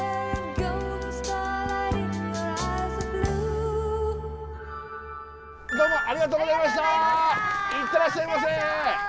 行ってらっしゃいませ！